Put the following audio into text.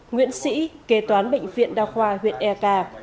nguyễn sĩ kế toán bệnh viện đa khoa huyện e k